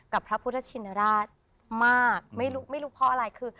กับพระพุทธชินราชมากไม่รู้เพราะอะไร